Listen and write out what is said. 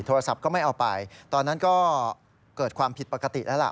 โทรศัพท์ก็ไม่เอาไปตอนนั้นก็เกิดความผิดปกติแล้วล่ะ